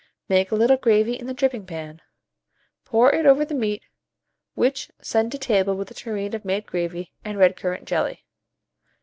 Make a little gravy in the dripping pan; pour it over the meat, which send to table with a tureen of made gravy and red currant jelly.